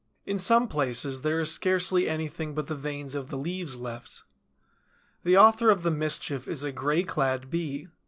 In some places there is scarcely anything but the veins of the leaves left. The author of the mischief is a gray clad Bee.